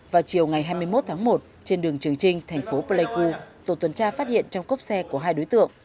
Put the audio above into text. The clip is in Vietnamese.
vào chiều ngày hai mươi một tháng một trên đường trường trinh thành phố pleiku tổ tuần tra phát hiện trong cốp xe của hai đối tượng